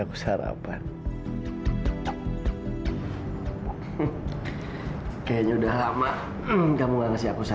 aku masih ke pasangan kamu sekarang sudah sehat